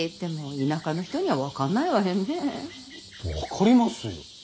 分かりますよ。